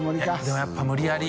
任やっぱ無理やり。